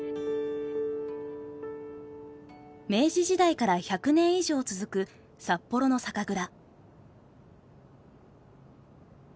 明治時代から１００年以上続く札幌の酒蔵。